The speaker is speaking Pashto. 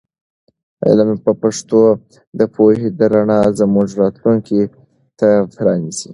علم په پښتو د پوهې د رڼا زموږ راتلونکي ته پرانیزي.